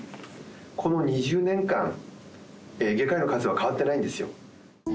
この２０年間、外科医の数は変わっていないんですよ。